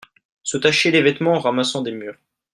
se tâcher les vêtements en ramassant des mûres.